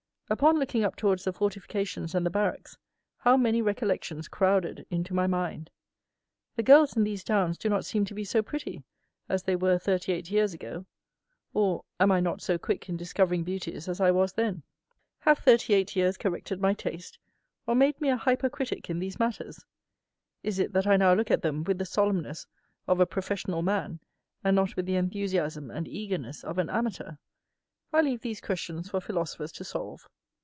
Upon looking up towards the fortifications and the barracks, how many recollections crowded into my mind! The girls in these towns do not seem to be so pretty as they were thirty eight years ago; or, am I not so quick in discovering beauties as I was then? Have thirty eight years corrected my taste, or made me a hypercritic in these matters? Is it that I now look at them with the solemnness of a "professional man," and not with the enthusiasm and eagerness of an "amateur?" I leave these questions for philosophers to solve.